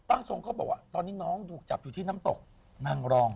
ร่างทรงก็บอกว่าตอนนี้น้องจับอยู่ที่น้ำตกนังรอง